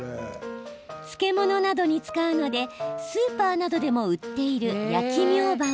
漬物などに使うのでスーパーなどでも売っている焼きミョウバン。